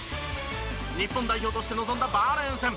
日本代表として臨んだバーレーン戦。